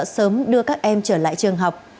sớm đưa các em trở lại trường học